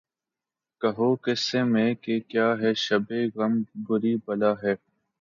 کہوں کس سے میں کہ کیا ہے شبِ غم بری بلا ہے